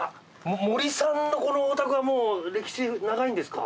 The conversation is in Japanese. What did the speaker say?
森さんのこのお宅はもう歴史長いんですか？